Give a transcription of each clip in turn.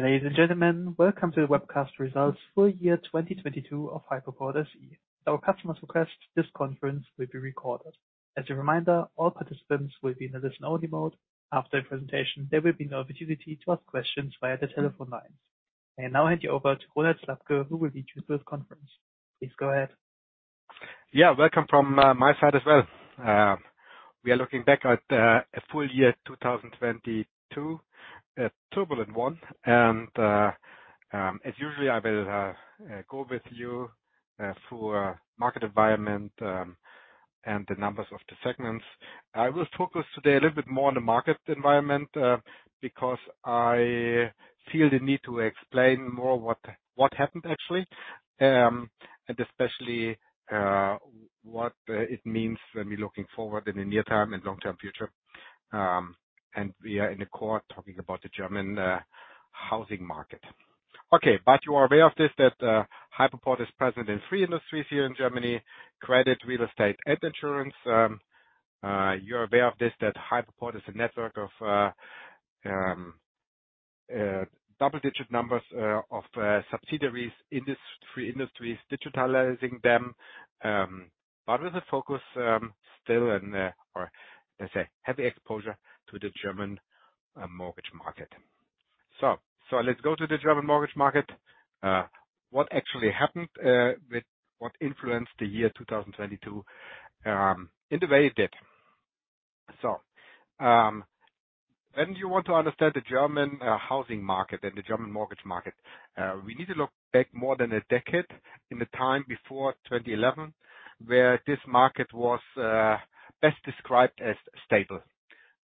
Ladies and gentlemen, welcome to the webcast results for year 2022 of Hypoport SE. At our customer's request, this conference will be recorded. As a reminder, all participants will be in a listen-only mode. After the presentation, there will be an opportunity to ask questions via the telephone lines. I now hand you over to Ronald Slabke, who will lead you through this conference. Please go ahead. Yeah, welcome from my side as well. We are looking back at a full year 2022, a turbulent one. As usual, I will go with you through our market environment and the numbers of the segments. I will focus today a little bit more on the market environment because I feel the need to explain more what happened actually, and especially what it means when we're looking forward in the near term and long-term future, and we are in the core talking about the German housing market. Okay, you are aware of this, that Hypoport is present in three industries here in Germany: credit, real estate, and insurance. You're aware of this, that Hypoport is a network of double-digit numbers of subsidiaries industries, digitalizing them, but with a focus still and or let's say heavy exposure to the German mortgage market. Let's go to the German mortgage market. What actually happened with what influenced the year 2022 in the way it did. You want to understand the German housing market and the German mortgage market. We need to look back more than a decade in the time before 2011, where this market was best described as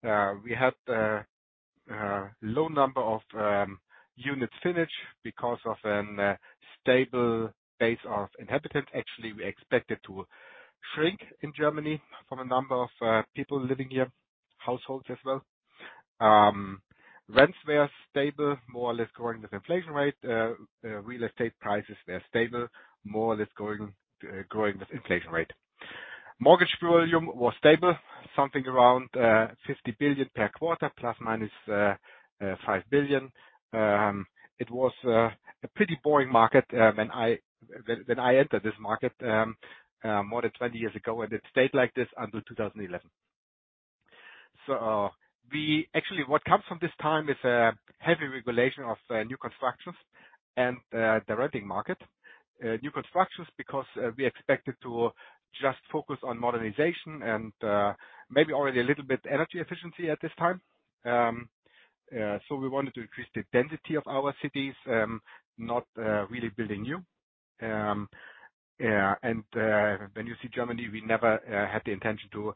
stable. We had a low number of units finished because of an stable base of inhabitants. Actually, we expected to shrink in Germany from a number of people living here, households as well. Rents were stable, more or less growing with inflation rate. Real estate prices were stable, more or less growing with inflation rate. Mortgage volume was stable, something around 50 billion per quarter, ±5 billion. It was a pretty boring market when I entered this market more than 20 years ago, and it stayed like this until 2011. Actually, what comes from this time is a heavy regulation of new constructions and the renting market. New constructions because we expected to just focus on modernization and maybe already a little bit energy efficiency at this time. We wanted to increase the density of our cities, not really building new. When you see Germany, we never had the intention to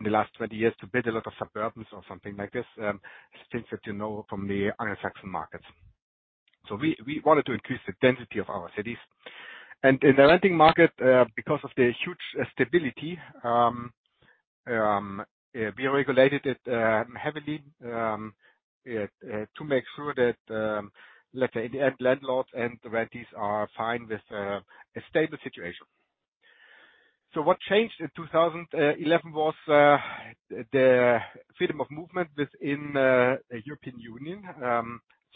in the last 20 years, to build a lot of suburbs or something like this, things that you know from the Anglo-Saxon markets. We wanted to increase the density of our cities. In the renting market, because of the huge stability, we regulated it heavily to make sure that, let's say in the end landlords and the renties are fine with a stable situation. What changed in 2011 was the freedom of movement within European Union.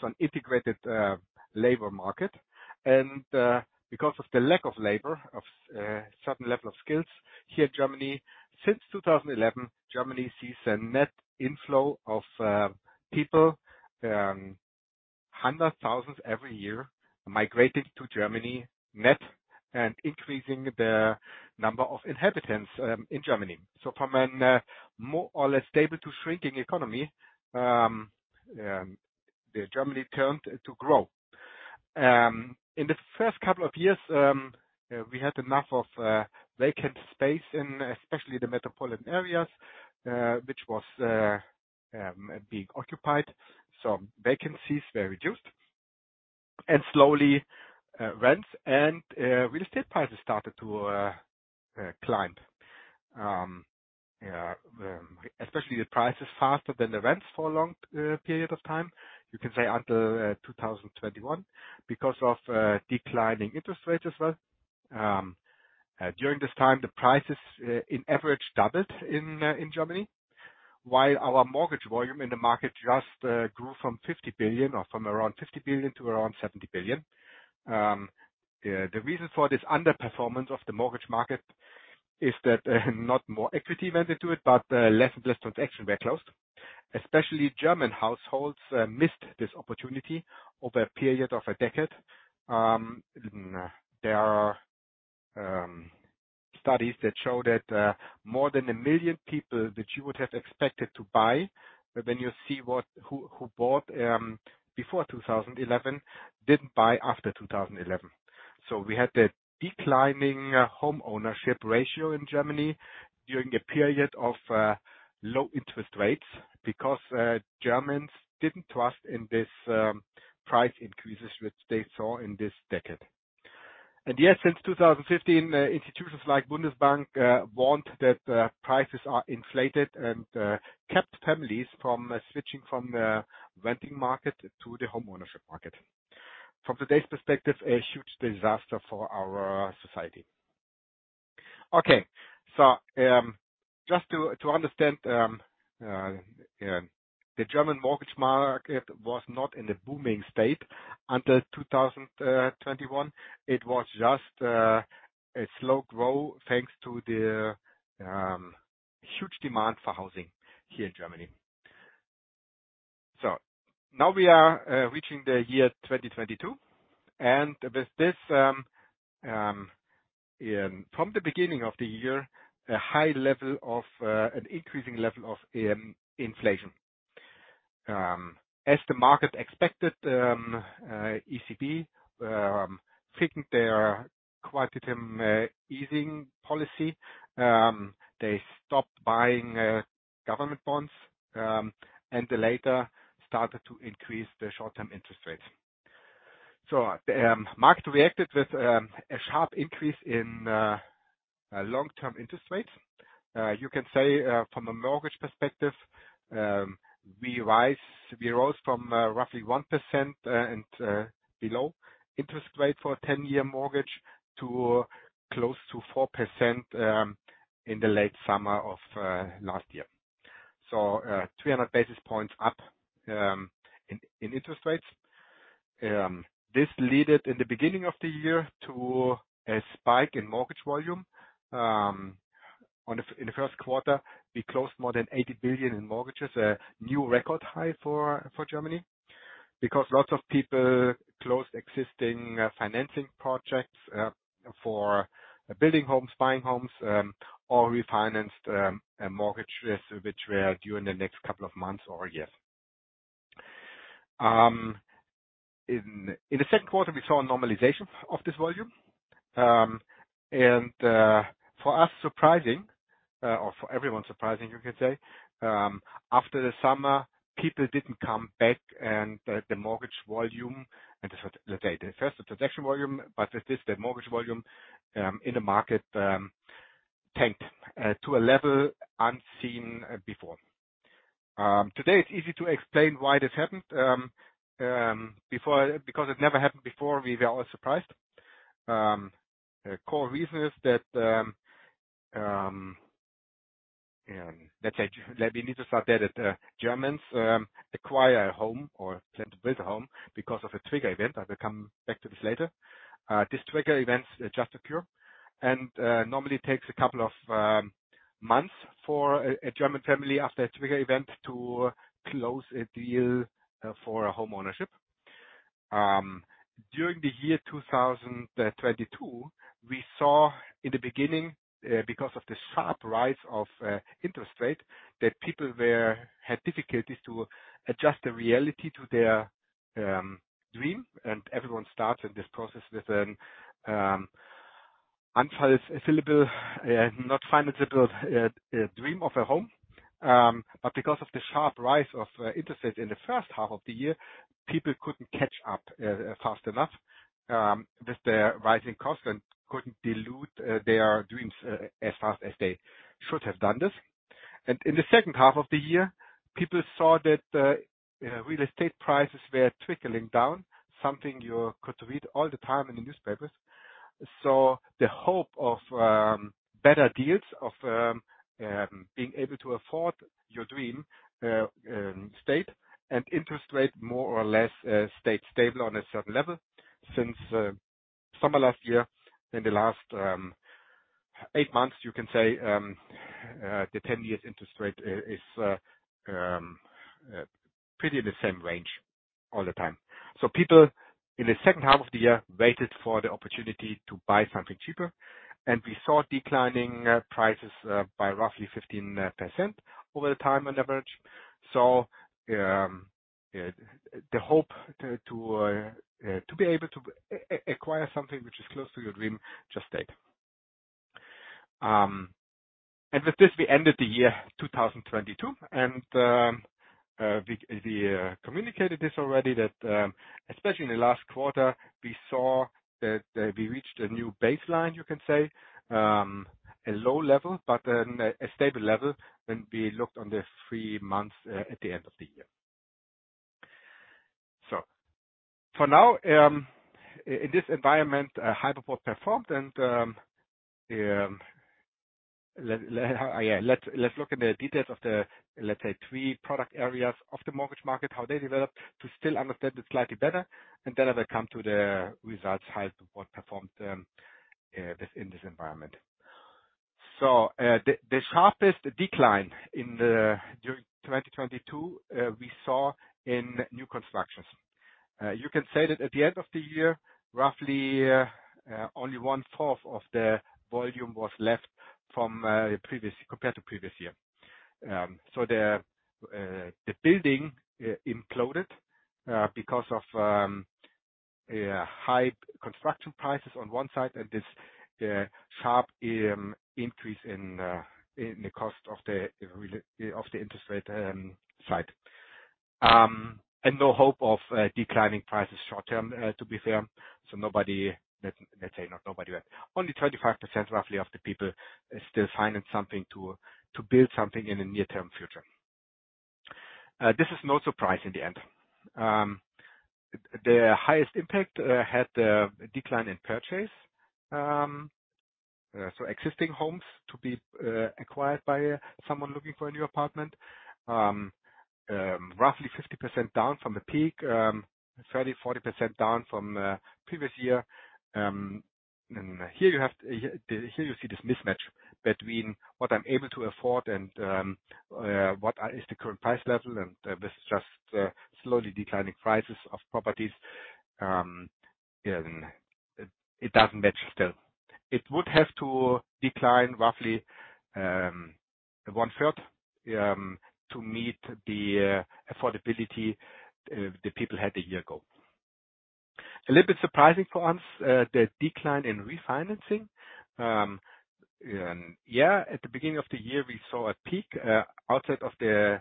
An integrated labor market. Because of the lack of labor of certain level of skills here Germany, since 2011, Germany sees a net inflow of people, hundred thousands every year migrating to Germany net and increasing the number of inhabitants in Germany. From an more or less stable to shrinking economy, the Germany turned to grow. In the first couple of years, we had enough of vacant space in especially the metropolitan areas, which was being occupied. Vacancies were reduced. Slowly, rents and real estate prices started to climb. Especially the prices faster than the rents for a long period of time, you can say until 2021 because of declining interest rates as well. During this time, the prices in average doubled in Germany, while our mortgage volume in the market grew from 50 billion or from around 50 billion to around 70 billion. The reason for this underperformance of the mortgage market is that not more equity went into it, but less and less transactions were closed. Especially German households missed this opportunity over a period of a decade. There are studies that show that more than 1 million people that you would have expected to buy when you see who bought before 2011, didn't buy after 2011. We had a declining homeownership ratio in Germany during a period of low interest rates because Germans didn't trust in this price increases which they saw in this decade. Yes, since 2015, institutions like Bundesbank want that prices are inflated and kept families from switching from the renting market to the homeownership market. From today's perspective, a huge disaster for our society. Just to understand, the German mortgage market was not in a booming state until 2021. It was just a slow growth thanks to the huge demand for housing here in Germany. Now we are reaching the year 2022. With this, from the beginning of the year, a high level of an increasing level of inflation. As the market expected, ECB thickened their quantitative easing policy. They stopped buying government bonds and they later started to increase the short-term interest rates. The market reacted with a sharp increase in long-term interest rates. You can say, from a mortgage perspective, we rose from roughly 1% and below interest rate for a 10-year mortgage to close to 4% in the late summer of last year. 300 basis points up in interest rates. This led in the beginning of the year to a spike in mortgage volume. In the first quarter, we closed more than 80 billion in mortgages. A new record high for Germany because lots of people closed existing financing projects, for building homes, buying homes, or refinanced mortgages which were due in the next couple of months or a year. In the second quarter, we saw a normalization of this volume. For us, surprising, or for everyone surprising, you could say, after the summer, people didn't come back and the mortgage volume and the data. First the transaction volume, but with this, the mortgage volume in the market tanked to a level unseen before. Today it's easy to explain why this happened before. Because it never happened before, we were all surprised. A core reason is that, let's say, we need to start there that Germans acquire a home or plan to build a home because of a trigger event. I will come back to this later. These trigger events just occur. Normally it takes a couple of months for a German family after a trigger event to close a deal for a homeownership. During the year 2022, we saw in the beginning because of the sharp rise of interest rate, that people had difficulties to adjust the reality to their dream. Everyone starts in this process with an unfulfillable, not financiable, dream of a home. Because of the sharp rise of interest rates in the first half of the year, people couldn't catch up fast enough with the rising costs and couldn't dilute their dreams as fast as they should have done this. In the second half of the year, people saw that real estate prices were trickling down, something you could read all the time in the newspapers. The hope of better deals of being able to afford your dream state and interest rate more or less stayed stable on a certain level since summer last year. In the last eight months, you can say, the 10-year interest rate is pretty in the same range all the time. People in the second half of the year waited for the opportunity to buy something cheaper. We saw declining prices by roughly 15% over the time on average. The hope to be able to acquire something which is close to your dream just stayed. With this, we ended the year 2022. We communicated this already that especially in the last quarter, we saw that we reached a new baseline, you can say. A low level, but then a stable level when we looked on the three months at the end of the year. For now, in this environment, Hypoport performed and let's look in the details of the, let's say, three product areas of the mortgage market, how they developed, to still understand it slightly better, and then I will come to the results, how Hypoport performed in this environment. The sharpest decline during 2022, we saw in new constructions. You can say that at the end of the year, roughly, only 1/4 of the volume was left from compared to previous year. The building imploded because of high construction prices on one side and this sharp increase in the cost of the interest rate side. No hope of declining prices short-term to be fair. Nobody, not nobody, but only 25% roughly of the people still finance something to build something in the near-term future. This is no surprise in the end. The highest impact had the decline in purchase. So existing homes to be acquired by someone looking for a new apartment, roughly 50% down from the peak, 30%-40% down from previous year. Here you see this mismatch between what I'm able to afford and what is the current price level, and this is just slowly declining prices of properties. Yeah, it doesn't match still. It would have to decline roughly 1/3 to meet the affordability the people had a year ago. A little bit surprising for us the decline in refinancing. Yeah, at the beginning of the year, we saw a peak outside of the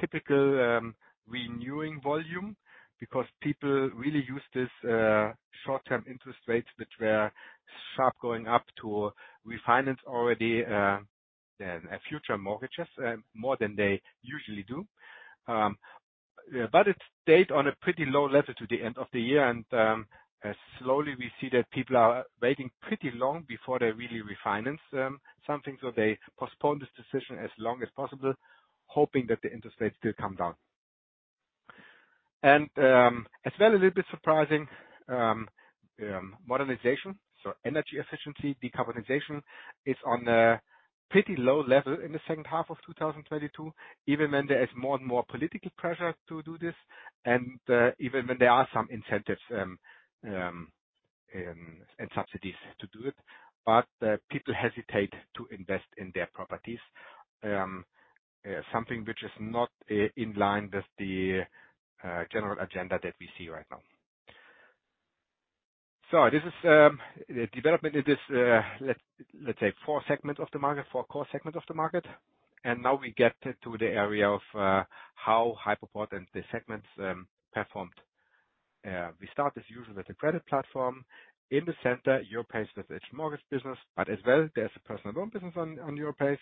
typical renewing volume because people really used this short-term interest rates, which were sharp, going up to refinance already the future mortgages more than they usually do. It stayed on a pretty low level to the end of the year, and slowly we see that people are waiting pretty long before they really refinance something. They postpone this decision as long as possible, hoping that the interest rates do come down. As well, a little bit surprising, modernization. Energy efficiency, decarbonization is on a pretty low level in the second half of 2022, even when there is more and more political pressure to do this, even when there are some incentives and subsidies to do it. People hesitate to invest in their properties. Something which is not in line with the general agenda that we see right now. This is the development of this, let's say four segments of the market. Four core segments of the market. Now we get to the area of how Hypoport and the segments performed. We start this usually with the credit platform. In the center, Europace with its mortgage business, but as well, there's a personal loan business on Europace.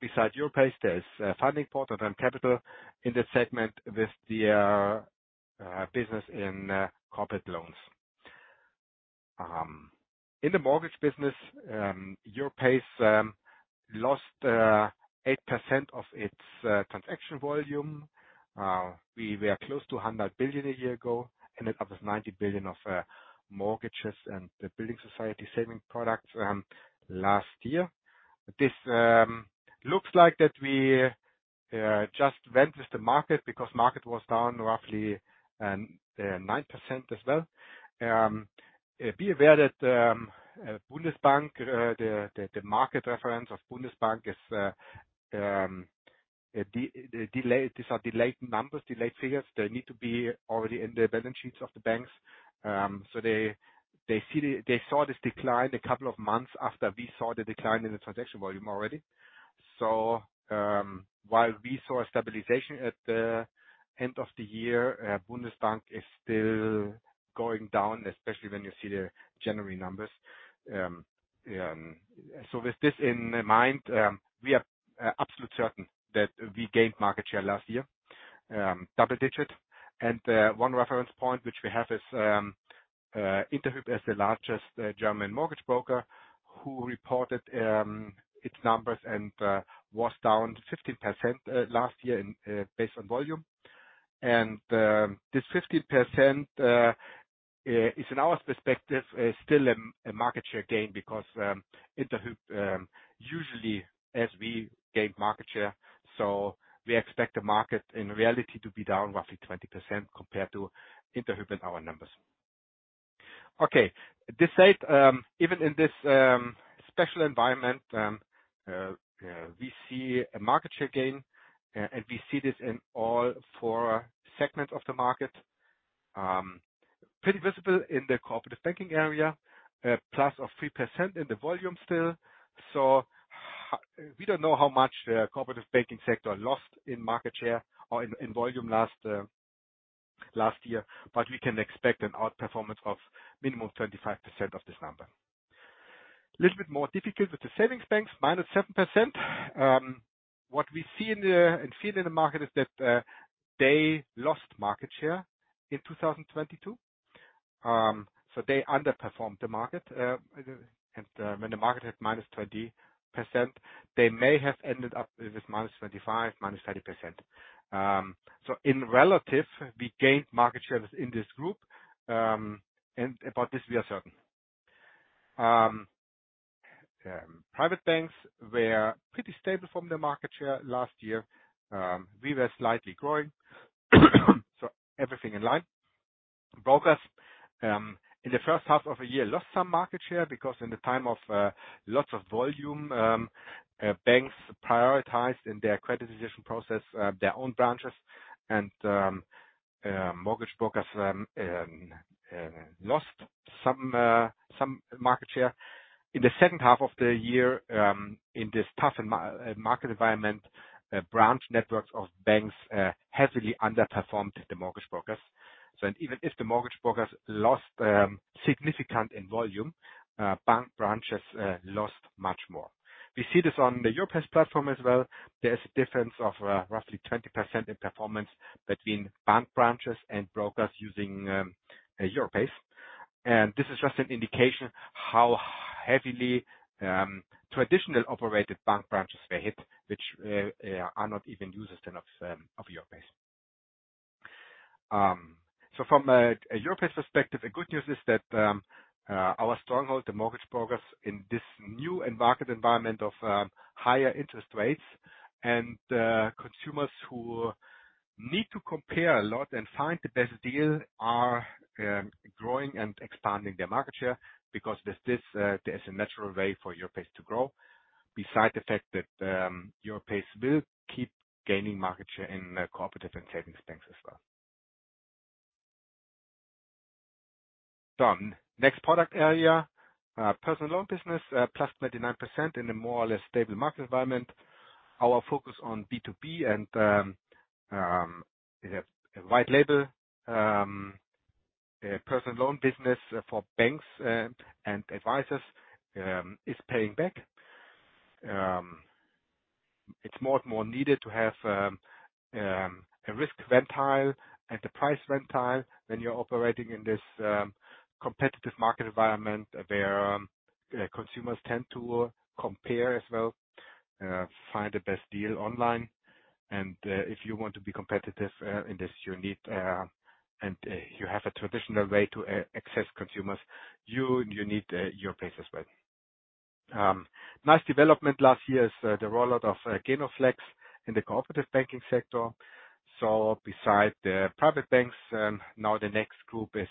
Besides Europace, there's a fundingport of Van Capital in this segment with the business in corporate loans. In the mortgage business, Europace lost 8% of its transaction volume. We were close to 100 billion a year ago, ended up with 90 billion of mortgages and the building society saving products last year. This looks like that we just went with the market because market was down roughly 9% as well. Be aware that Bundesbank, the market reference of Bundesbank is de-delayed. These are delayed numbers, delayed figures. They need to be already in the balance sheets of the banks. So they saw this decline a couple of months after we saw the decline in the transaction volume already. While we saw a stabilization at the end of the year, Bundesbank is still going down, especially when you see the January numbers. With this in mind, we are absolutely certain that we gained market share last year, double-digit. One reference point which we have is Interhyp as the largest German mortgage broker, who reported its numbers and was down 15% last year in based on volume. This 15% is in our perspective, is still a market share gain because Interhyp usually as we gain market share, we expect the market in reality to be down roughly 20% compared to Interhyp and our numbers. This said, even in this special environment, we see a market share gain, and we see this in all four segments of the market. Pretty visible in the cooperative banking area, +3% in the volume still. We don't know how much the cooperative banking sector lost in market share or in volume last year, but we can expect an outperformance of minimum of 25% of this number. Little bit more difficult with the savings banks, -7%. What we see and feel in the market is that they lost market share in 2022. They underperformed the market. When the market hit -20%, they may have ended up with -25%, -30%. In relative, we gained market shares in this group, and about this we are certain. Private banks were pretty stable from the market share last year. We were slightly growing, everything in line. Brokers, in the first half of a year lost some market share because in the time of lots of volume, banks prioritized in their credit decision process their own branches and mortgage brokers lost some market share. In the second half of the year, in this tough market environment, branch networks of banks heavily underperformed the mortgage brokers. Even if the mortgage brokers lost significant in volume, bank branches lost much more. We see this on the Europace platform as well. There's a difference of roughly 20% in performance between bank branches and brokers using Europace. This is just an indication how heavily traditional operated bank branches were hit, which are not even users then of Europace. So from a Europace perspective, the good news is that our stronghold, the mortgage brokers in this new market environment of higher interest rates and consumers who need to compare a lot and find the best deal are growing and expanding their market share because this, there's a natural way for Europace to grow. Beside the fact that Europace will keep gaining market share in the cooperative and savings banks as well. Done. Next product area, personal loan business, +99% in a more or less stable market environment. Our focus on B2B and white label personal loan business for banks and advisors is paying back. It's more and more needed to have a risk quartile and the price quartile when you're operating in this competitive market environment where consumers tend to compare as well, find the best deal online. If you want to be competitive in this unit and you have a traditional way to access consumers, you need Europace as well. Nice development last year is the rollout of GENOPACE in the cooperative banking sector. Beside the private banks, now the next group is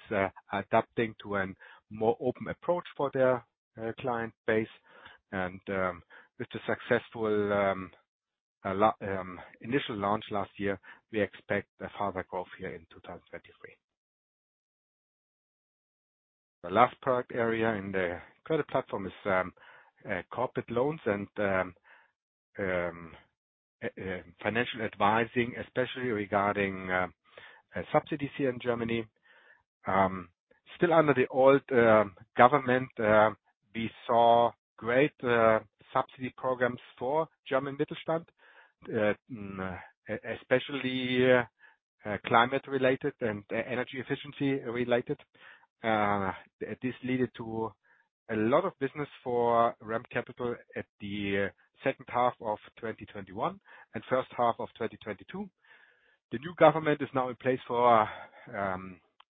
adapting to an more open approach for their client base. With the successful initial launch last year, we expect a further growth here in 2023. The last product area in the credit platform is corporate loans and financial advising, especially regarding subsidies here in Germany. Still under the old government, we saw great subsidy programs for German Mittelstand, especially climate related and energy efficiency related. This leaded to a lot of business for REM Capital at the second half of 2021 and first half of 2022. The new government is now in place for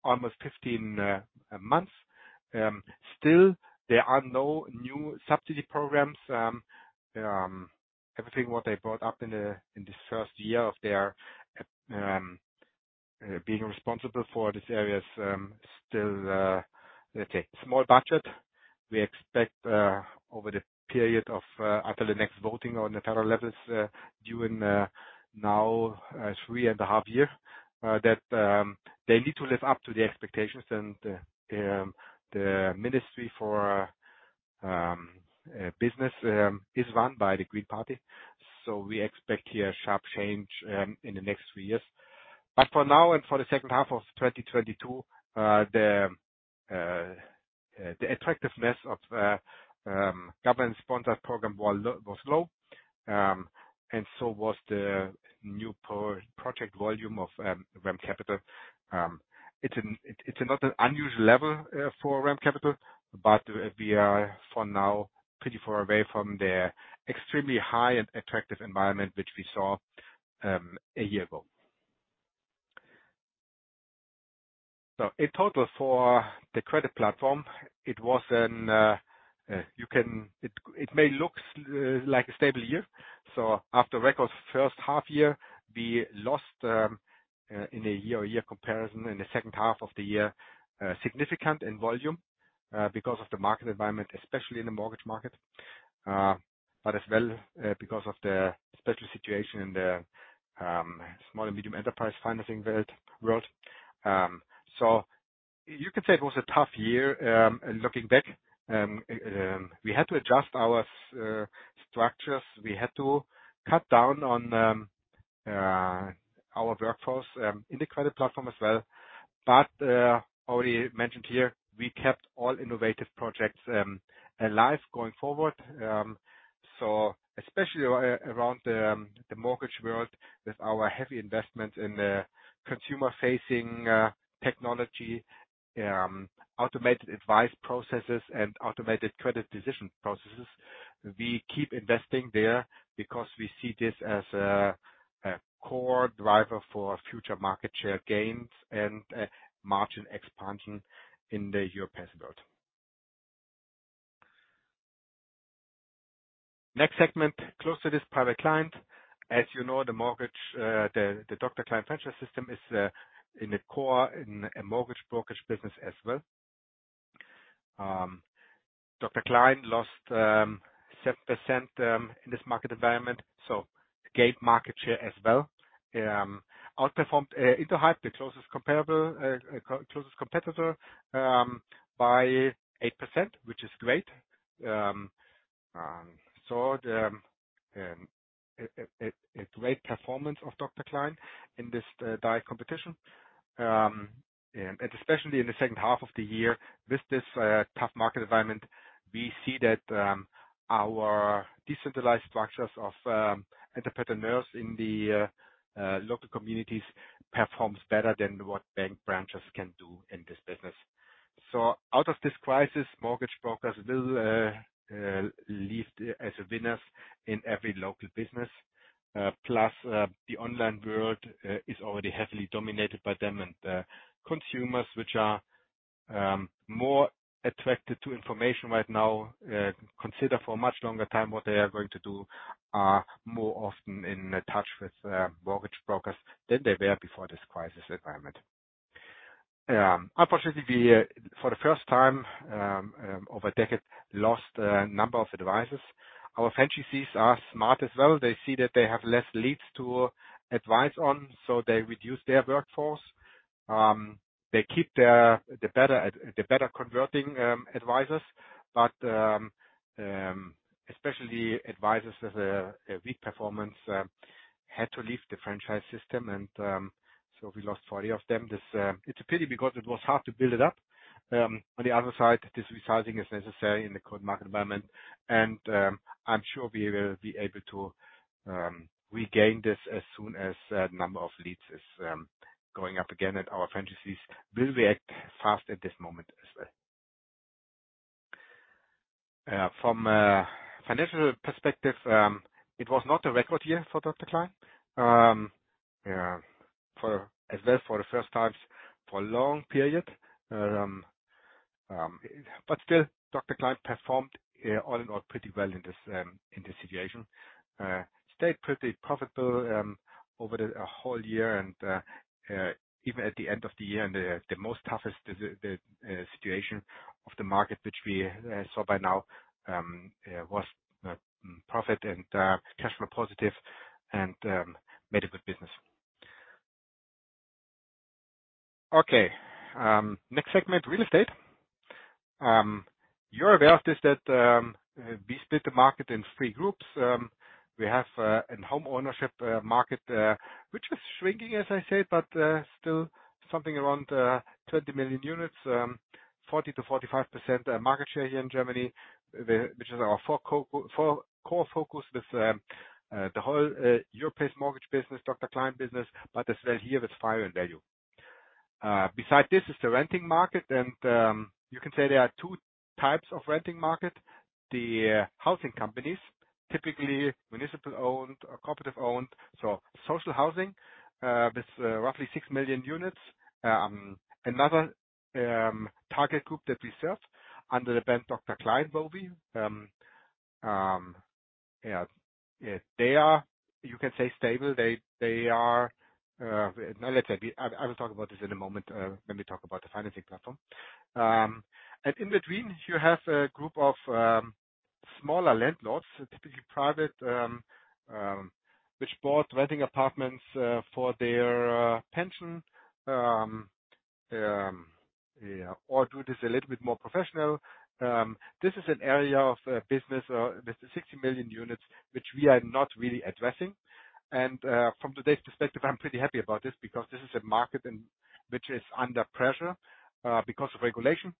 almost 15 months. Still there are no new subsidy programs. Everything what they brought up in this first year of their being responsible for this area is still, let's say, small budget. We expect over the period of up till the next voting on the federal levels during now three and a half year. That they need to live up to the expectations and the ministry for business is run by the Green Party. We expect here a sharp change in the next three years. For now and for the second half of 2022, the attractiveness of government-sponsored program was low. Was the new pro-project volume of REM Capital. It's not an unusual level for REM Capital, but we are for now pretty far away from the extremely high and attractive environment which we saw a year ago. In total for the credit platform, it may look like a stable year. After record first half year, we lost in a year-over-year comparison in the second half of the year significant in volume because of the market environment, especially in the mortgage market. As well because of the special situation in the small and medium enterprise financing world. You could say it was a tough year. Looking back, we had to adjust our structures. We had to cut down on our workforce in the credit platform as well. Already mentioned here, we kept all innovative projects alive going forward. Especially around the mortgage world with our heavy investment in the consumer-facing technology, automated advice processes, and automated credit decision processes. We keep investing there because we see this as a core driver for future market share gains and margin expansion in the Europace world. Next segment, close to this private client. As you know, the mortgage, the Dr. Klein financial system is in the core in a mortgage brokerage business as well. Dr. Klein lost 7% in this market environment, gained market share as well. outperformed Interhyp, the closest competitor, by 8%, which is great. A great performance of Dr. Klein in this direct competition. Especially in the second half of the year with this tough market environment, we see that our decentralized structures of entrepreneurs in the local communities performs better than what bank branches can do in this business. Out of this crisis, mortgage brokers will leave as winners in every local business. Plus, the online world is already heavily dominated by them and consumers, which are more attracted to information right now, consider for a much longer time what they are going to do are more often in touch with mortgage brokers than they were before this crisis environment. Unfortunately, for the first time, over a decade, lost a number of advisors. Our franchisees are smart as well. They see that they have less leads to advise on, so they reduce their workforce. They keep the better converting advisors. Especially advisors with a weak performance had to leave the franchise system and so we lost 40 of them. It's a pity because it was hard to build it up. On the other side, this resizing is necessary in the current market environment. I'm sure we will be able to regain this as soon as number of leads is going up again, and our franchisees will react fast at this moment as well. From a financial perspective, it was not a record year for Dr. Klein. As well, for the first time for a long period. Still Dr. Klein performed all in all pretty well in this situation. Stayed pretty profitable over the whole year and even at the end of the year and the most toughest situation of the market, which we saw by now, was profit and cash flow positive and made a good business. Okay, next segment, real estate. You're aware of this, that we split the market in three groups. We have an homeownership market which was shrinking, as I said, but still something around 30 million units, 40%-45% market share here in Germany, which is our four core focus with the whole Europace mortgage business, Dr. Klein business, but as well here with fire and value. Beside this is the renting market and you can say there are two types of renting market. The housing companies, typically municipal-owned or cooperative-owned, so social housing, with roughly 6 million units. Another target group that we serve under the brand Dr. Klein Wowi. Yeah. They are, you can say, stable. They are I will talk about this in a moment when we talk about the financing platform. In between, you have a group of smaller landlords, typically private, which bought renting apartments for their pension, yeah, or do this a little bit more professional. This is an area of business with 60 million units which we are not really addressing. From today's perspective, I'm pretty happy about this because this is a market which is under pressure, because of regulation.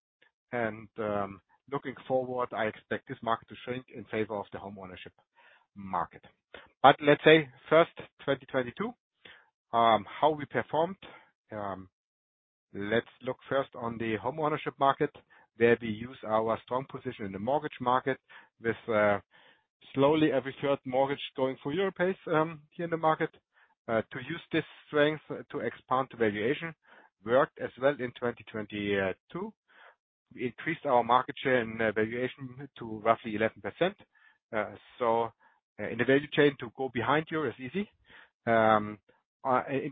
Looking forward, I expect this market to shrink in favor of the homeownership market. Let's say first 2022, how we performed. Let's look first on the homeownership market, where we use our strong position in the mortgage market with slowly every third mortgage going through Europace here in the market. To use this strength to expand the valuation worked as well in 2022. We increased our market share and valuation to roughly 11%. In the value chain to go behind you is easy. In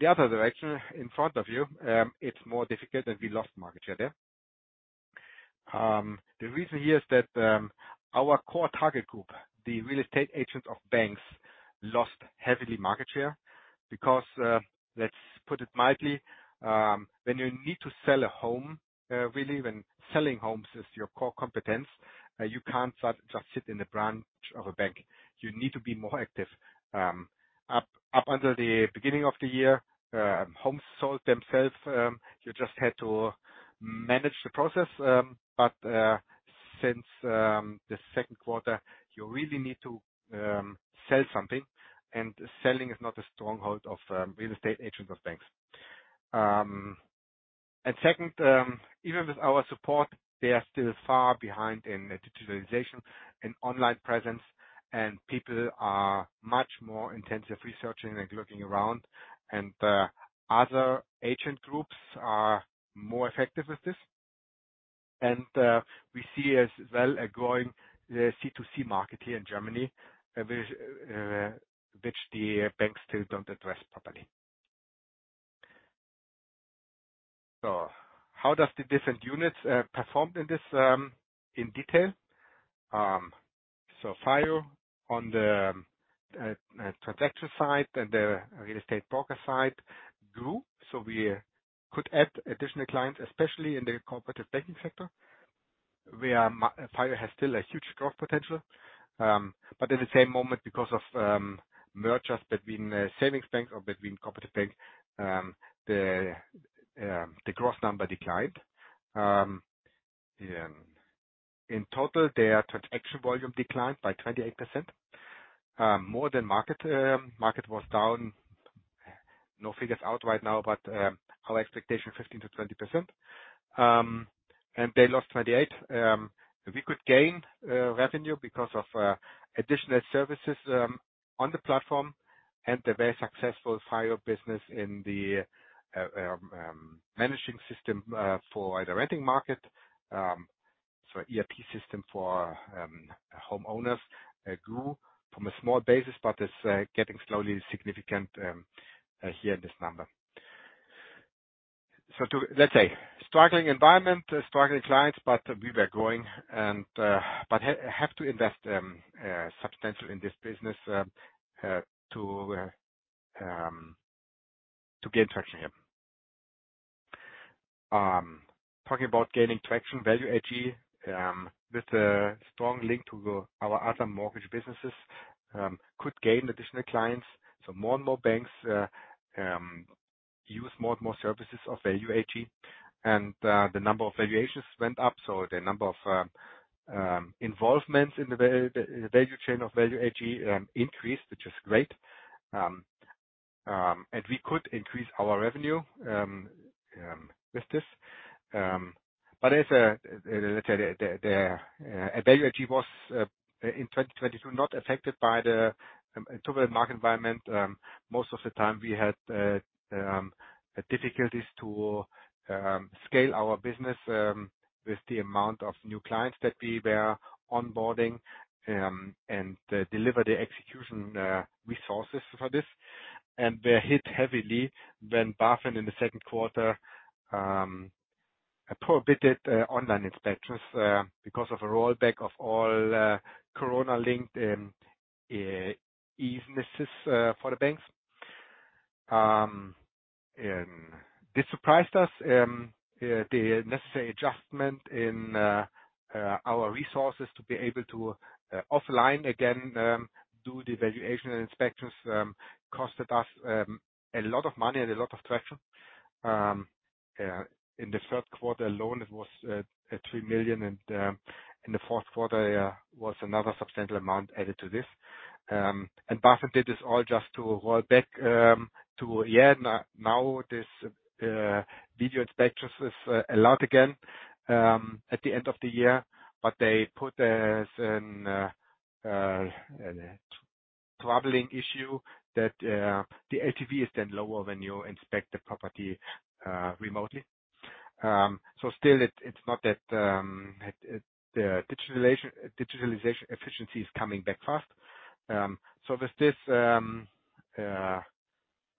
the other direction in front of you, it's more difficult and we lost market share there. The reason here is that our core target group, the real estate agents of banks, lost heavily market share because, let's put it mildly, when you need to sell a home, really when selling homes is your core competence, you can't just sit in the branch of a bank. You need to be more active. Up until the beginning of the year, homes sold themselves. You just had to manage the process. Since the second quarter, you really need to sell something, and selling is not a stronghold of real estate agents of banks. Second, even with our support, they are still far behind in digitalization and online presence, and people are much more intensive researching and looking around. Other agent groups are more effective with this. We see as well a growing C2C market here in Germany, which the banks still don't address properly. How does the different units performed in this in detail? Far on the transaction side and the real estate broker side grew. We could add additional clients, especially in the cooperative banking sector. Where FIO has still a huge growth potential. At the same moment because of mergers between the savings banks or between corporate bank, the growth number declined. In total, their transaction volume declined by 28%. More than market. Market was down. No figures out right now, but our expectation 15%-20%. They lost 28%. We could gain revenue because of additional services on the platform and the very successful FIO business in the managing system for the renting market. So ERP system for homeowners grew from a small basis, but it's getting slowly significant here in this number. Let's say struggling environment, struggling clients, but we were growing, but have to invest substantial in this business to gain traction here. Talking about gaining traction, VALUE AG, with a strong link to our other mortgage businesses, could gain additional clients. More and more banks use more and more services of VALUE AG. The number of valuations went up, so the number of involvements in the value chain of VALUE AG increased, which is great. And we could increase our revenue with this. But as a, let's say, VALUE AG was in 2022 not affected by the turbulent market environment. Most of the time we had difficulties to scale our business with the amount of new clients that we were onboarding and deliver the execution resources for this. Were hit heavily when BaFin in the second quarter prohibited online inspections because of a rollback of all corona-linked easiness for the banks. This surprised us. The necessary adjustment in our resources to be able to offline again do the valuation and inspections costed us a lot of money and a lot of traction. In the third quarter alone, it was 3 million. In the fourth quarter was another substantial amount added to this. BaFin did this all just to roll back, to now this video inspections is allowed again at the end of the year. They put as an troubling issue that the LTV is then lower when you inspect the property remotely. Still it's not that it the digitalization efficiency is coming back fast. With this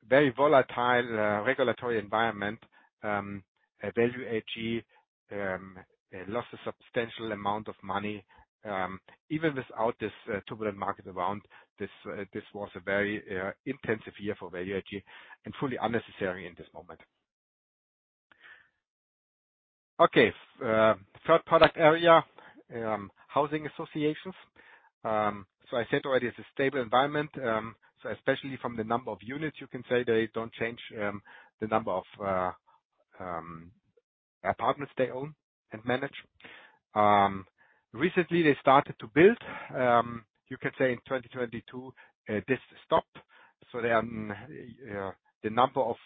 very volatile regulatory environment, VALUE AG lost a substantial amount of money. Even without this turbulent market around this was a very intensive year for VALUE AG and fully unnecessary in this moment. Okay. Third product area, housing associations. I said already it's a stable environment. Especially from the number of units you can say they don't change the number of apartments they own and manage. Recently they started to build. You can say in 2022 this stopped. The number of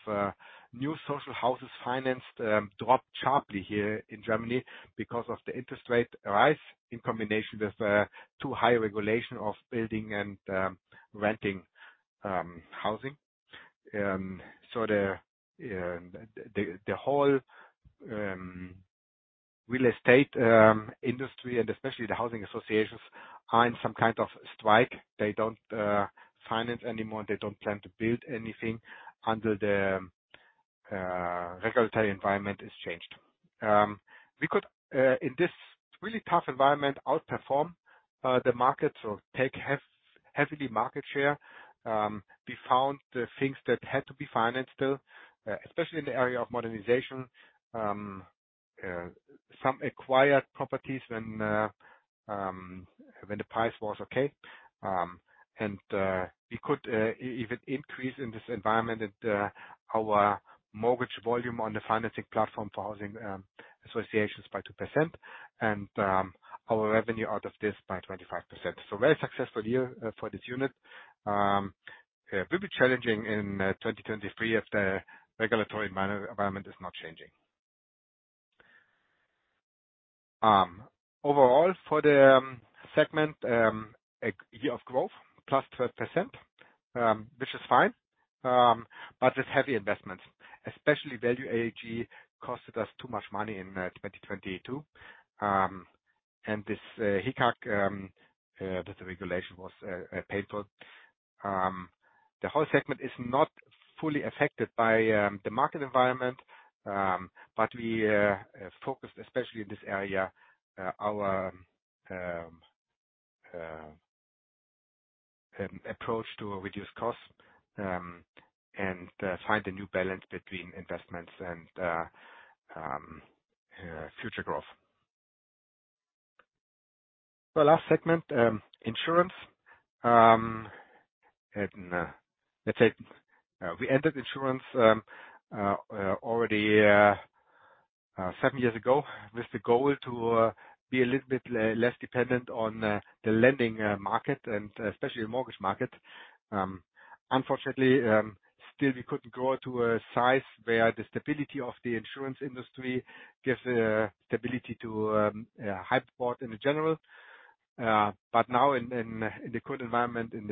new social houses financed dropped sharply here in Germany because of the interest rate rise in combination with too high regulation of building and renting housing. The whole real estate industry and especially the housing associations are in some kind of strike. They don't finance anymore. They don't plan to build anything until the regulatory environment is changed. We could in this really tough environment, outperform the market or take heavily market share. We found the things that had to be financed still, especially in the area of modernization. Some acquired properties when the price was okay. We could even increase in this environment at our mortgage volume on the financing platform for housing associations by 2% and our revenue out of this by 25%. Very successful year for this unit. Will be challenging in 2023 if the regulatory environment is not changing. Overall for the segment, a year of growth +12%, which is fine, but with heavy investments. Especially VALUE AG costed us too much money in 2022. This hick-hack, this regulation was painful. The whole segment is not fully affected by the market environment. We focused especially in this area, our approach to reduce costs and find a new balance between investments and future growth. The last segment, insurance. Let's say, we entered insurance already seven years ago with the goal to be a little bit less dependent on the lending market and especially the mortgage market. Unfortunately, still we couldn't grow to a size where the stability of the insurance industry gives a stability to Hypoport in general. Now in the current environment, in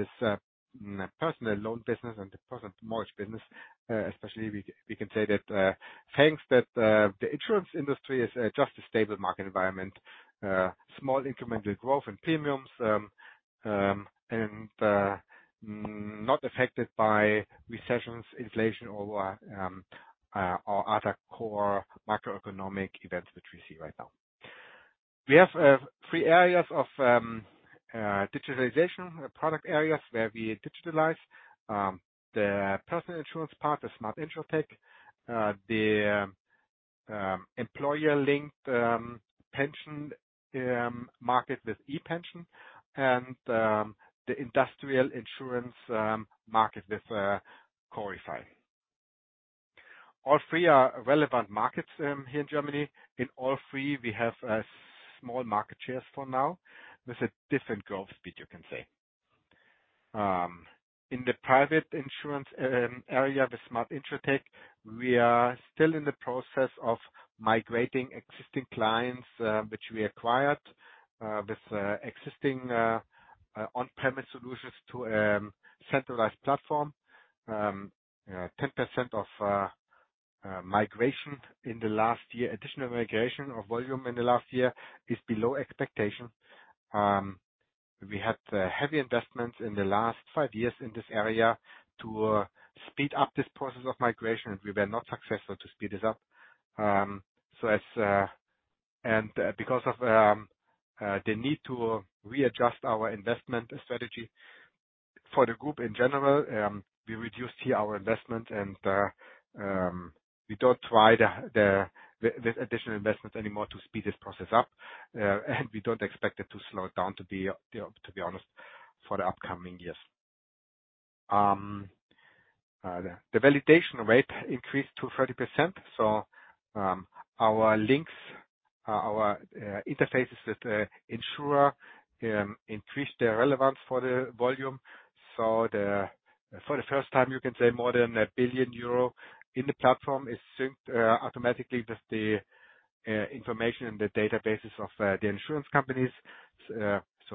this personal loan business and the personal mortgage business, especially we can say that thanks that the insurance industry is just a stable market environment. Small incremental growth in premiums, not affected by recessions, inflation or other core macroeconomic events which we see right now. We have three areas of digitalization, product areas where we digitalize the personal insurance part, the Smart InsurTech, the employer linked pension market with e-pension and the industrial insurance market with Corify. All three are relevant markets here in Germany. In all three, we have a small market shares for now with a different growth speed, you can say. In the private insurance area with Smart InsurTech, we are still in the process of migrating existing clients, which we acquired with existing on-premise solutions to centralized platform. 10% of migration in the last year. Additional migration of volume in the last year is below expectation. We had heavy investments in the last five years in this area to speed up this process of migration. We were not successful to speed this up. Because of the need to readjust our investment strategy for the group in general, we reduced here our investment and we don't try this additional investment anymore to speed this process up. We don't expect it to slow down, to be honest, for the upcoming years. The validation rate increased to 30%, our links, our interfaces with the insurer, increased their relevance for the volume. For the first time, you can say more than 1 billion euro in the platform is synced automatically with the information in the databases of the insurance companies.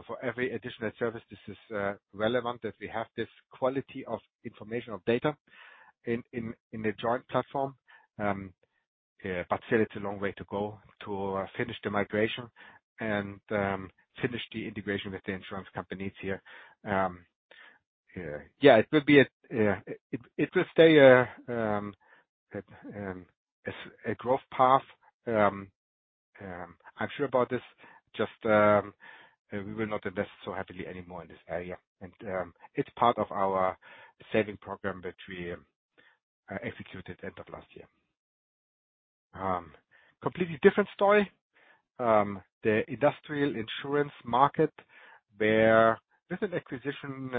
For every additional service, this is relevant that we have this quality of information of data in the joint platform. Still it's a long way to go to finish the migration and finish the integration with the insurance companies here. It will stay a growth path. I'm sure about this, just, we will not invest so heavily anymore in this area. It's part of our saving program that we executed end of last year. Completely different story. The industrial insurance market, where with an acquisition,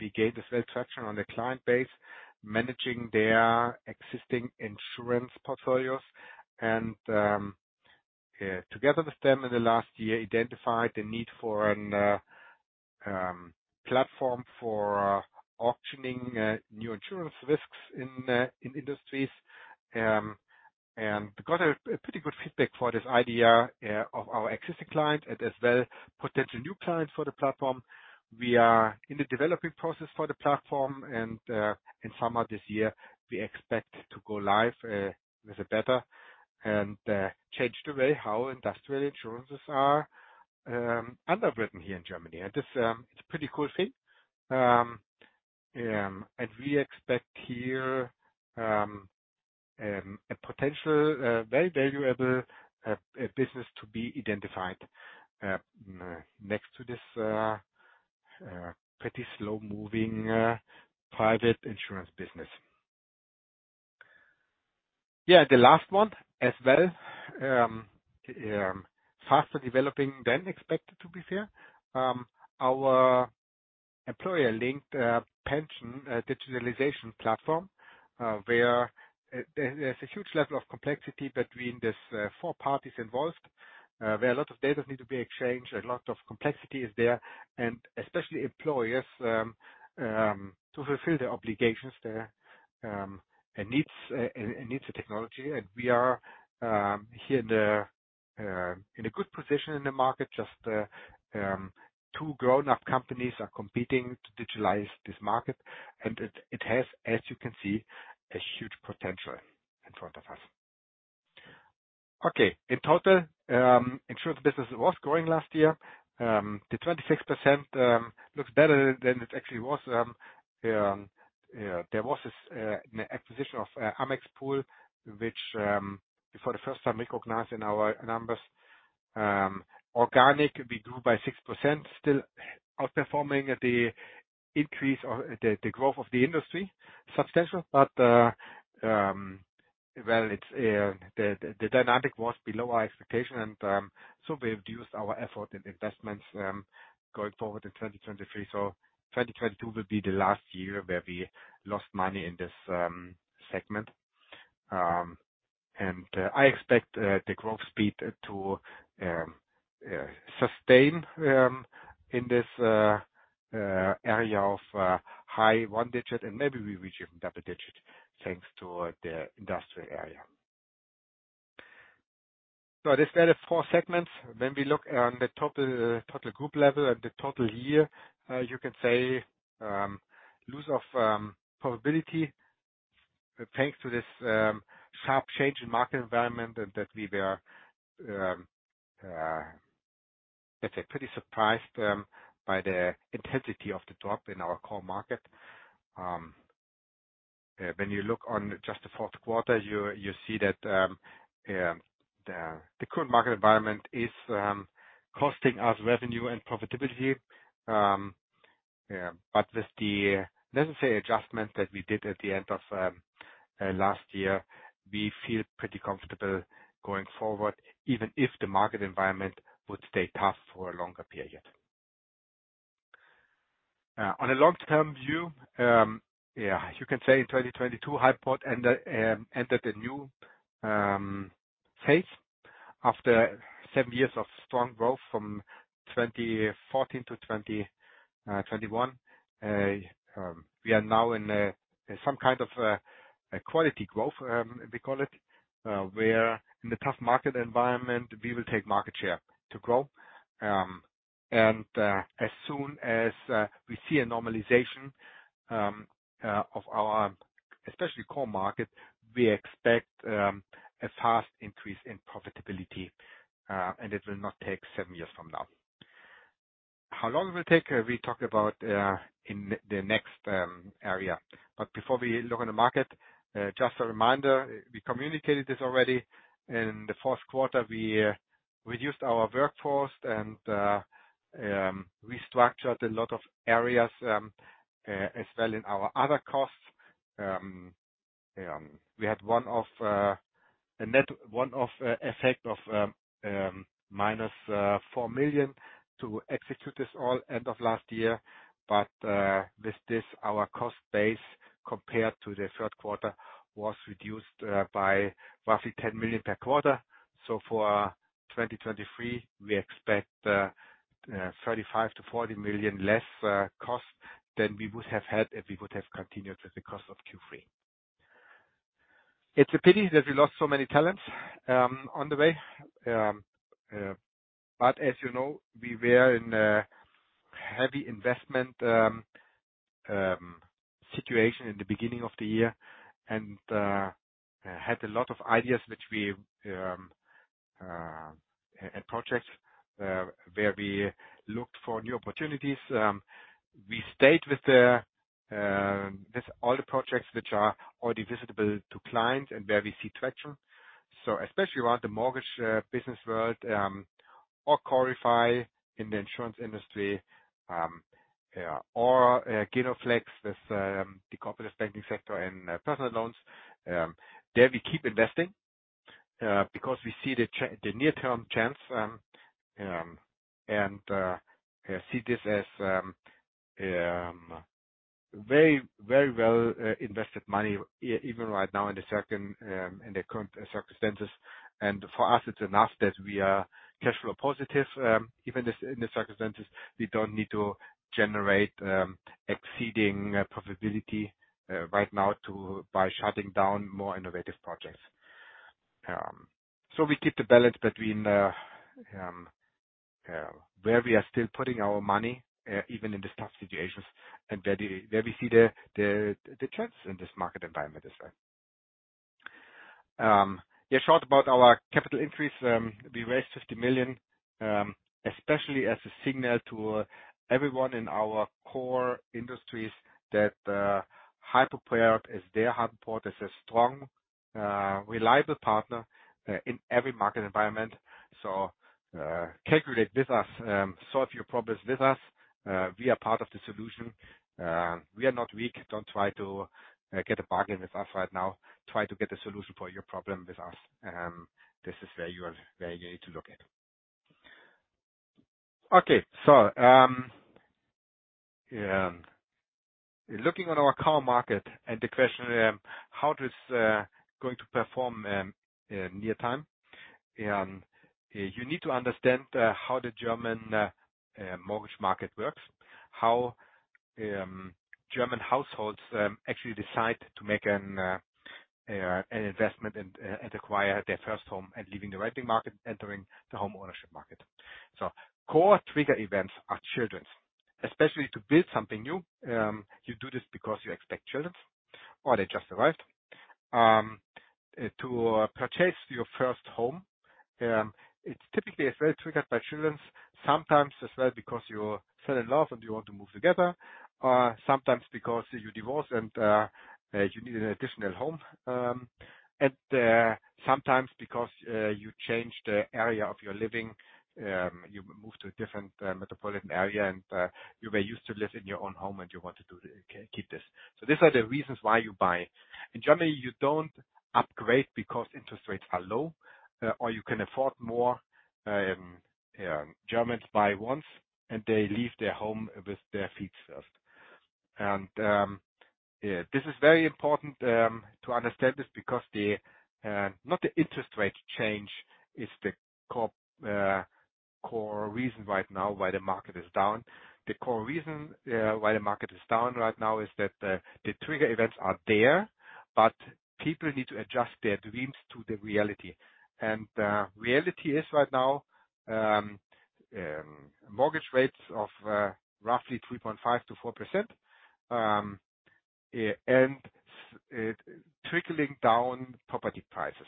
we gained a certain traction on the client base, managing their existing insurance portfolios and, together with them in the last year, identified the need for an platform for auctioning new insurance risks in industries. We got a pretty good feedback for this idea of our existing client and as well potential new client for the platform. We are in the developing process for the platform, in summer this year, we expect to go live with a beta and change the way how industrial insurances are underwritten here in Germany. This. It's a pretty cool thing. We expect here a potential very valuable business to be identified next to this pretty slow-moving private insurance business. Yeah, the last one as well, faster developing than expected to be fair. Our employer-linked pension digitalization platform where there's a huge level of complexity between these four parties involved. Where a lot of data need to be exchanged, a lot of complexity is there, and especially employers to fulfill their obligations there and needs the technology. We are here in a good position in the market. Just two grown-up companies are competing to digitalize this market. It has, as you can see, a huge potential in front of us. Okay. In total, insurance business was growing last year. The 26% looks better than it actually was. There was this an acquisition of AMEXPool, which for the first time recognized in our numbers. Organic, we grew by 6%, still outperforming the increase or the growth of the industry substantial. Well, it's the dynamic was below our expectation and we've used our effort and investments going forward in 2023. 2022 will be the last year where we lost money in this segment. I expect the growth speed to sustain in this area of high one digit and maybe we reach even double-digit thanks to the industrial area. This were the four segments. When we look on the total group level and the total year, you can say, loss of profitability thanks to this sharp change in market environment and that we were, let's say, pretty surprised by the intensity of the drop in our core market. When you look on just the fourth quarter, you see that the current market environment is costing us revenue and profitability. With the necessary adjustments that we did at the end of last year, we feel pretty comfortable going forward, even if the market environment would stay tough for a longer period. On a long-term view, you can say in 2022, Hypoport entered a new phase after seven years of strong growth from 2014 to 2021. We are now in some kind of a quality growth, we call it. Where in the tough market environment we will take market share to grow. As soon as we see a normalization of our especially core market, we expect a fast increase in profitability, and it will not take seven years from now. How long it will take, we talk about in the next area. Before we look on the market, just a reminder, we communicated this already. In the fourth quarter, we reduced our workforce and restructured a lot of areas as well in our other costs. We had one of a net one-off effect of minus 4 million to execute this all end of last year. With this our cost base compared to the third quarter was reduced by roughly 10 million per quarter. For 2023, we expect 35 million-40 million less cost than we would have had if we would have continued with the cost of Q3. It's a pity that we lost so many talents on the way. As you know, we were in a heavy investment situation in the beginning of the year and had a lot of ideas which we and projects where we looked for new opportunities. We stayed with the with all the projects which are already visible to clients and where we see traction. Especially around the mortgage business world, or Corify in the insurance industry, or GENOPACE with the corporate banking sector and personal loans. There we keep investing because we see the near-term chance and see this as very, very well invested money even right now in the second in the current circumstances. For us, it's enough that we are cash flow positive. Even in the circumstances, we don't need to generate exceeding profitability right now by shutting down more innovative projects. We keep the balance between where we are still putting our money even in this tough situations and where we see the trends in this market environment as well. Yeah, short about our capital increase. We raised 50 million especially as a signal to everyone in our core industries that Hypoport is there. Hypoport is a strong, reliable partner in every market environment. Calculate with us, solve your problems with us. We are part of the solution. We are not weak. Don't try to get a bargain with us right now. Try to get a solution for your problem with us. This is where you need to look at. Okay. Looking at our core market and the question, how it is going to perform near time. You need to understand how the German mortgage market works. How German households actually decide to make an investment and acquire their first home and leaving the renting market, entering the home ownership market. Core trigger events are childrens. Especially to build something new, you do this because you expect childrens or they just arrived. To purchase your first home, it's typically as well triggered by childrens. Sometimes as well because you fall in love and you want to move together, sometimes because you divorce and you need an additional home. Sometimes because you change the area of your living, you move to a different metropolitan area, and you were used to live in your own home, and you want to keep this. These are the reasons why you buy. In Germany, you don't upgrade because interest rates are low, or you can afford more. Yeah. Germans buy once, and they leave their home with their feet first. Yeah. This is very important to understand this because the not the interest rate change is the core core reason right now why the market is down. The core reason why the market is down right now is that the trigger events are there, but people need to adjust their dreams to the reality. The reality is right now, mortgage rates of roughly 3.5%-4%, and trickling down property prices.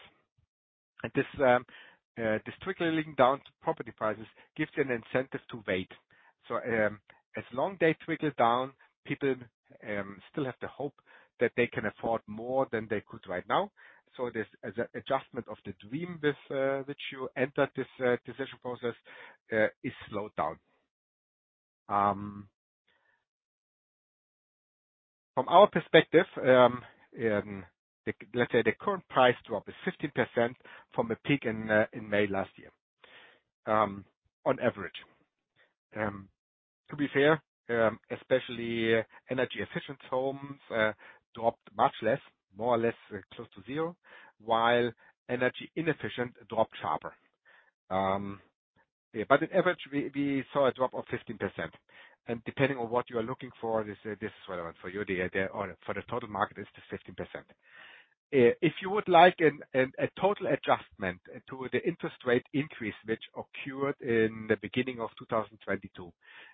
This trickling down to property prices gives an incentive to wait. As long they trickle down, people still have the hope that they can afford more than they could right now. This as an adjustment of the dream with which you enter this decision process is slowed down. From our perspective, let's say the current price drop is 15% from a peak in May last year, on average. To be fair, especially energy efficient homes, dropped much less, more or less close to zero, while energy inefficient dropped sharper. In average, we saw a drop of 15%. Depending on what you are looking for, this is relevant for you. The, or for the total market is just 15%. If you would like an a total adjustment to the interest rate increase which occurred in the beginning of 2022,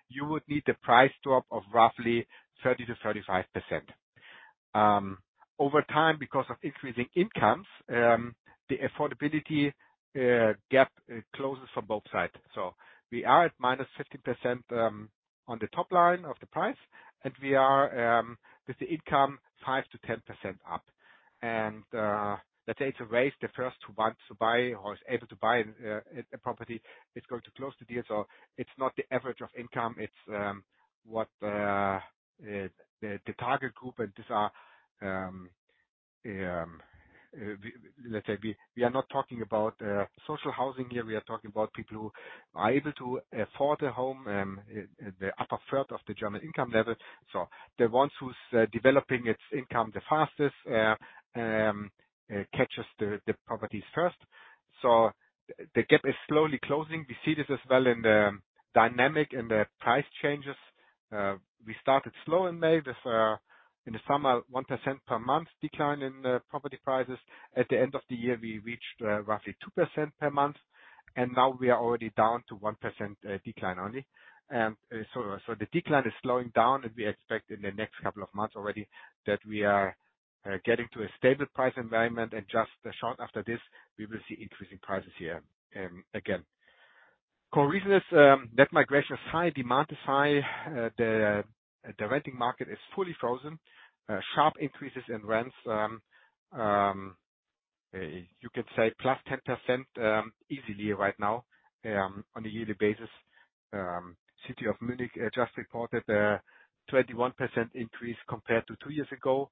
you would need a price drop of roughly 30%-35%. Over time, because of increasing incomes, the affordability gap closes from both sides. We are at -50% on the top line of the price, and we are with the income 5%-10% up. Let's say it's a race. The first who want to buy or is able to buy a property is going to close the deal. It's not the average of income, it's what the target group and these are, let's say we are not talking about social housing here. We are talking about people who are able to afford a home in the upper third of the German income level. The ones who's developing its income the fastest catches the properties first. The gap is slowly closing. We see this as well in the dynamic and the price changes. We started slow in May with in the summer, 1% per month decline in property prices. At the end of the year, we reached roughly 2% per month, and now we are already down to 1% decline only. So the decline is slowing down, and we expect in the next couple of months already that we are getting to a stable price environment. Just short after this, we will see increasing prices here again. Core reason is, net migration is high, demand is high. The renting market is fully frozen. Sharp increases in rents, you could say +10% easily right now on a yearly basis. City of Munich just reported a 21% increase compared to two years ago.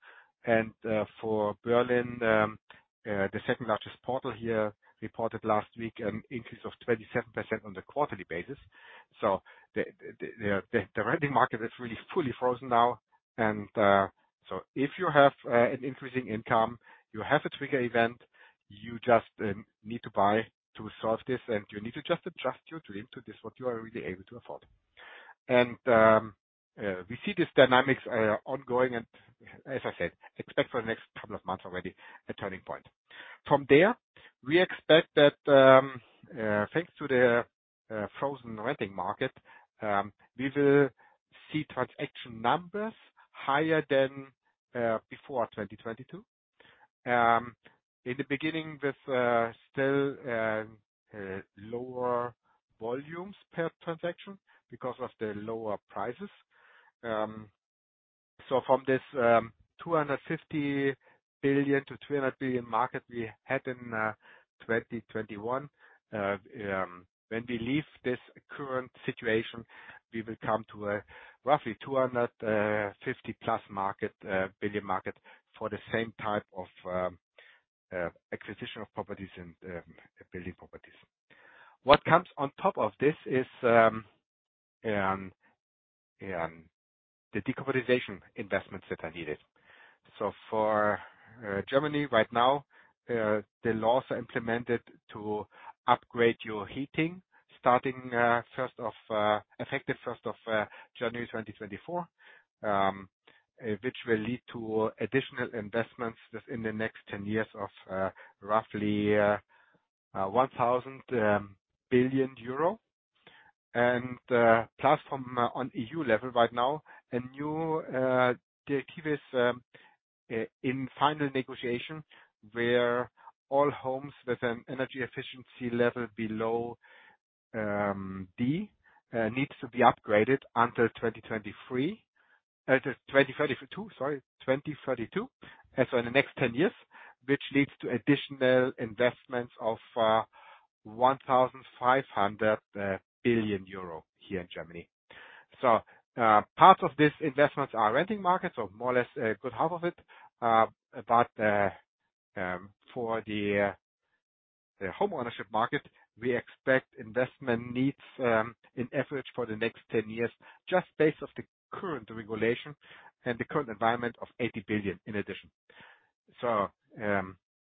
For Berlin, the second-largest portal here reported last week an increase of 27% on the quarterly basis. The renting market is really fully frozen now and, so if you have an increasing income, you have a trigger event, you just need to buy to solve this, and you need to just adjust your dream to this what you are really able to afford. We see these dynamics ongoing, and as I said, expect for the next couple of months already a turning point. From there, we expect that, thanks to the frozen renting market, we will see transaction numbers higher than before 2022. In the beginning with still lower volumes per transaction because of the lower prices. From this 250 billion-300 billion market we had in 2021. When we leave this current situation, we will come to a roughly 250-plus billion market for the same type of acquisition of properties and building properties. What comes on top of this is the decarbonization investments that are needed. For Germany right now, the laws are implemented to upgrade your heating starting first of effective first of January 2024, which will lead to additional investments just in the next 10 years of roughly 1,000 billion euro. Plus from on EU level right now, a new directive is in final negotiation, where all homes with an energy efficiency level below D needs to be upgraded under 2023. 2032, sorry, 2032. As for the next 10 years, which leads to additional investments of 1,500 billion euro here in Germany. Part of this investments are renting markets or more or less a good half of it. For the homeownership market, we expect investment needs in average for the next 10 years, just based off the current regulation and the current environment of 80 billion in addition.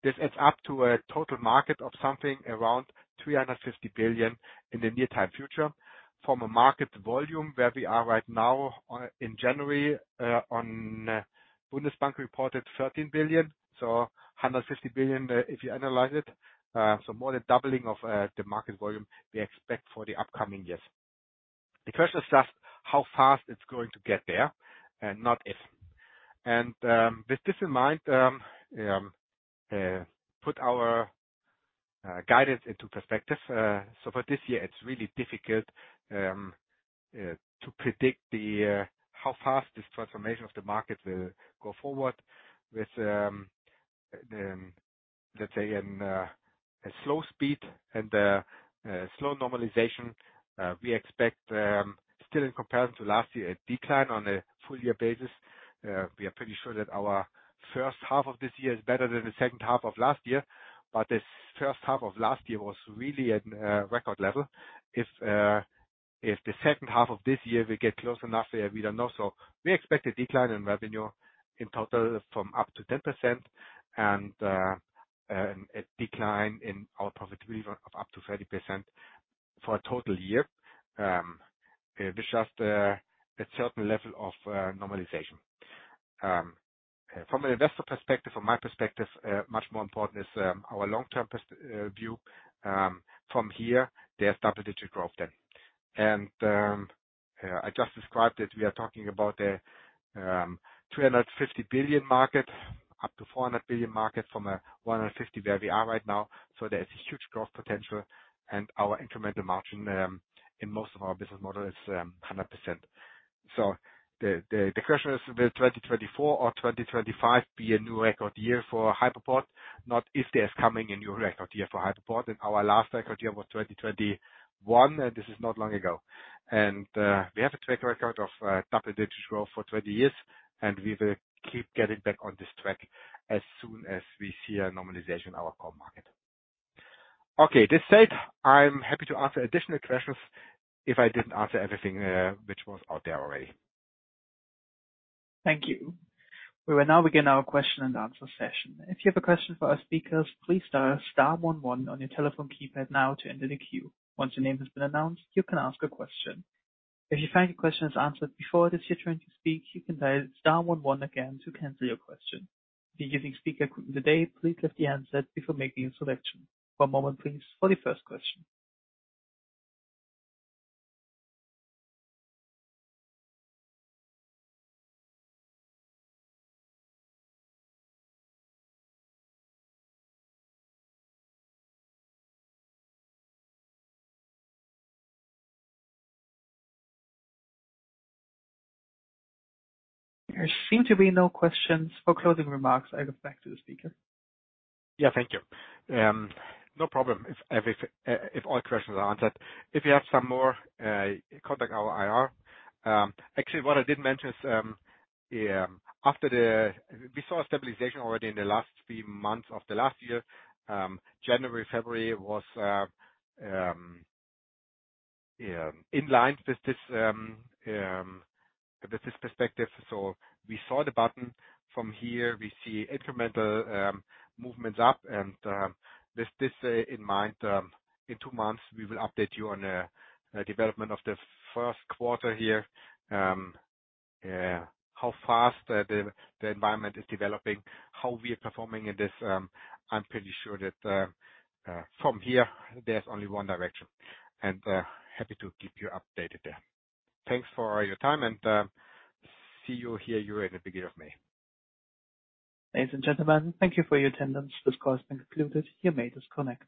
This adds up to a total market of something around 350 billion in the near time future. From a market volume where we are right now in January, on Bundesbank reported 13 billion, so 150 billion, if you analyze it. More than doubling of the market volume we expect for the upcoming years. The question is just how fast it's going to get there and not if. With this in mind, put our guidance into perspective. For this year, it's really difficult to predict how fast this transformation of the market will go forward with, let's say in a slow speed and a slow normalization. We expect still in comparison to last year, a decline on a full year basis. We are pretty sure that our first half of this year is better than the second half of last year, but the first half of last year was really at a record level. If the second half of this year will get close enough, we don't know. We expect a decline in revenue in total from up to 10% and a decline in our profitability of up to 30% for a total year. With just a certain level of normalization. From an investor perspective, from my perspective, much more important is our long-term view, from here, there's double-digit growth then. I just described it. We are talking about a 350 billion market, up to 400 billion market from a 150 billion where we are right now. There's a huge growth potential and our incremental margin in most of our business model is 100%. The question is, will 2024 or 2025 be a new record year for Hypoport? Not if there's coming a new record year for Hypoport, and our last record year was 2021, and this is not long ago. We have a track record of double-digit growth for 20 years, and we will keep getting back on this track as soon as we see a normalization in our core market. Okay, this said, I'm happy to answer additional questions if I didn't answer everything which was out there already. Thank you. We will now begin our question and answer session. If you have a question for our speakers, please dial star one one on your telephone keypad now to enter the queue. Once your name has been announced, you can ask a question. If you find your question is answered before it is your turn to speak, you can dial star one one again to cancel your question. If you're using speaker equipment today, please lift the handset before making a selection. One moment, please, for the first question. There seem to be no questions for closing remarks. I give back to the speaker. Yeah, thank you. No problem if all questions are answered. If you have some more, contact our IR. Actually, what I didn't mention is, we saw a stabilization already in the last few months of the last year. January, February was in line with this perspective. We saw the bottom. From here, we see incremental movements up. With this in mind, in two months, we will update you on development of the first quarter here. How fast the environment is developing, how we are performing in this. I'm pretty sure that from here, there's only one direction, happy to keep you updated there. Thanks for your time and, see you here at the beginning of May. Ladies and gentlemen, thank you for your attendance. This call has been concluded. You may disconnect.